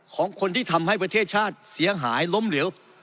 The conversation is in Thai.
ของคนที่ทำให้ประเทศชาติเสียหายล้มเหลว